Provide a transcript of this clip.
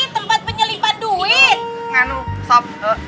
tempat penyelimpan duit ngamuk